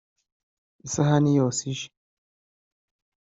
isahane yose ije